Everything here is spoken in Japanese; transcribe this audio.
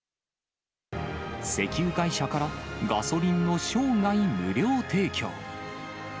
石油会社からガソリンの生涯無料提供。